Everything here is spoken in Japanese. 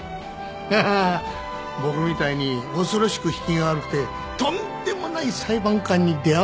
ハハッ僕みたいに恐ろしく引きが悪くてとんでもない裁判官に出会わないことを祈ってるよ。